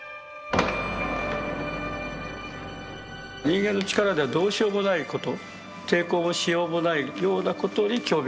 人間の力ではどうしようもないこと抵抗のしようもないようなことに興味があります。